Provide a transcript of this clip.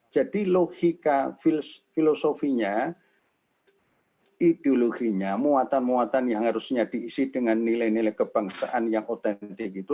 jadi logika filosofinya ideologinya muatan muatan yang harusnya diisi dengan nilai nilai kebangsaan yang otentik itu